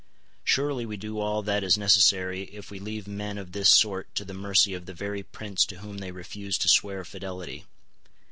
Surely we do all that is necessary if we leave men of this sort to the mercy of the very prince to whom they refuse to swear fidelity.